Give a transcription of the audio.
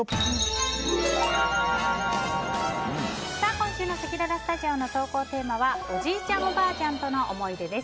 今週のせきららスタジオの投稿テーマはおじいちゃん・おばあちゃんとの思い出です。